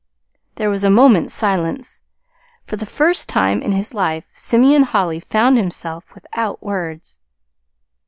There was a moment's silence. For the first time in his life Simeon Holly found himself without words.